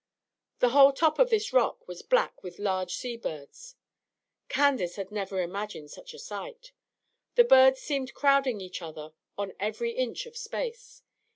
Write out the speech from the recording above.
The whole top of this rock was black with large sea birds. Candace had never imagined such a sight. The birds seemed crowding each other on every inch of space.